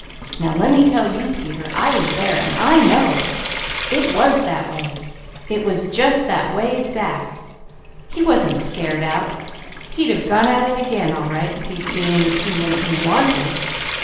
"Now lemme tell you Peter; I was there, and I know. It was that way. It was just that way exact! He wasn't scared out, he'd have gone at it again, all right, if he'd seen anything in it he wanted.